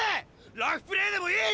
ラフプレーでもいい！